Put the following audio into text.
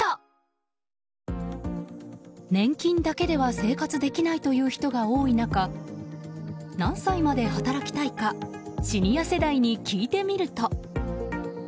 年金だけでは生活できないという人がいる中何歳まで働きたいかシニア世代に聞いてみると。